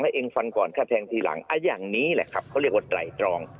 เองฟันก่อนฆ่าแทงทีหลังอย่างนี้แหละครับเขาเรียกว่าไตรตรอง